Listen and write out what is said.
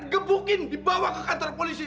gebukin dibawa ke kantor polisi